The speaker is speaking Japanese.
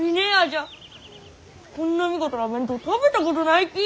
こんな見事な弁当食べたことないき！